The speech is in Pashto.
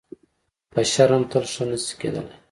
بشر هم تل ښه نه شي کېدلی .